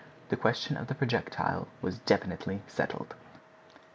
The question of the projectile was definitely settled.